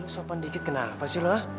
sopan sedikit kenapa sih lo